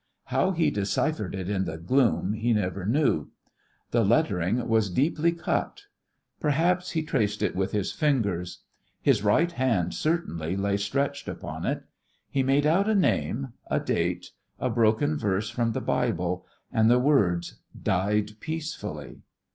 How he deciphered it in the gloom, he never knew. The lettering was deeply cut. Perhaps he traced it with his fingers; his right hand certainly lay stretched upon it. He made out a name, a date, a broken verse from the Bible, and the words, "died peacefully."